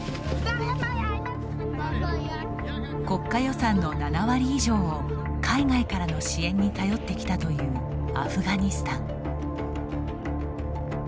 国家予算の７割以上を海外からの支援に頼ってきたというアフガニスタン。